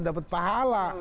kita dapat pahala